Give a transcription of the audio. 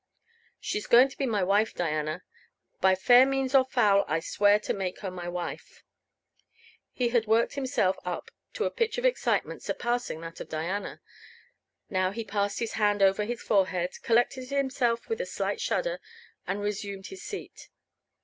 She's going to be my wife, Diana by fair means or foul I swear to make her my wife." He had worked himself up to a pitch of excitement surpassing that of Diana. Now he passed his hand over his forehead, collected himself with a slight shudder, and resumed his seat.